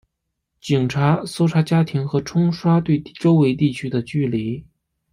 警察搜查家庭和冲刷对周围地区的距离。